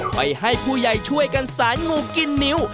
ไปให้ผู้ใหญ่ช่วยกันสารงูกินนิ้ว